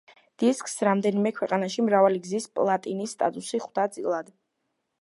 დისკს რამდენიმე ქვეყანაში მრავალი გზის პლატინის სტატუსი ხვდა წილად.